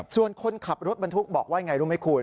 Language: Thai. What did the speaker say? ส่วนคนขับรถบรรทุกบอกว่าอย่างไรรู้ไหมคุณ